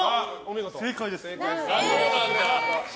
正解です。